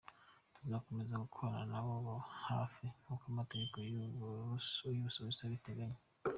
Tuzakomeza gukorana na bo hafi nk’uko amategeko y’u Busuwisi abiteganya.